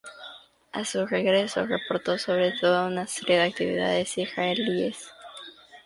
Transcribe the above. A su regreso, reportó sobre toda una serie de actividades israelíes.